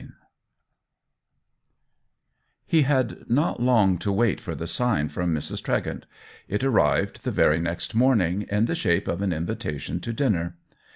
IV He had not long to wait for the sign from Mrs. Tregent ; it arrived the very next morning in the shape of an invitation to dinner.